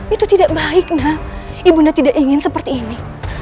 itu tidak baiknya ibunda tidak ingin seperti ini